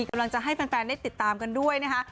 กำลังจะให้แฟนได้ติดตามกันด้วยนะคะ